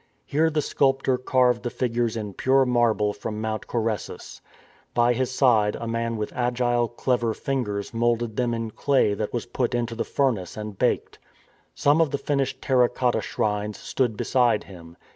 Here the sculptor carved the figures in pure marble from Mount Coressus. By his side a man with agile, clever fingers moulded them in clay that was put into the furnace and baked. Some of the finished terra cotta shrines stood beside him.